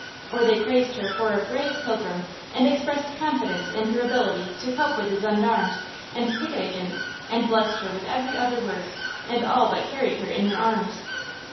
Or they praised her for a brave pilgrim, and expressed confidence in her ability to cope with gendarmes and ticket agents, and blessed her with every other word, and all but carried her in their arms.